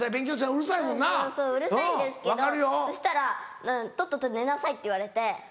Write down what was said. うるさいんですけどそしたら「とっとと寝なさい」って言われて。